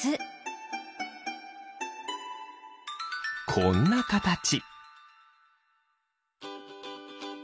こんなかたち。